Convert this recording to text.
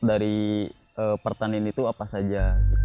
dari pertanian itu apa saja